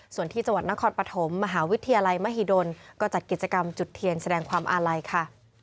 ส่วนที่จังหวัดนครปฐมมหาวิทยาลัยมหิดลก็จัดกิจกรรมจุดเทียนแสดงความอาลัยค่ะ